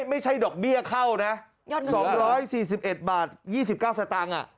ไม่ใช่ดอกเบี้ยเข้านะ๒๔๑บาท๒๙สตางค์